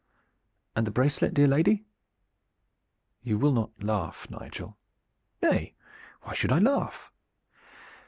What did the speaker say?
"And the bracelet, dear lady?" "You will not laugh, Nigel?" "Nay, why should I laugh?"